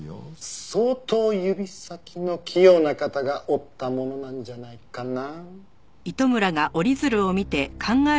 相当指先の器用な方が折ったものなんじゃないかな？